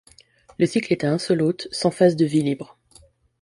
Le cycle est à un seul hôte, sans phase de vie libre.